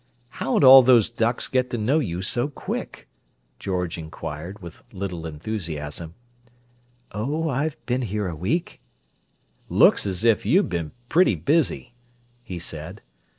"How'd all those ducks get to know you so quick?" George inquired, with little enthusiasm. "Oh, I've been here a week." "Looks as if you'd been pretty busy!" he said.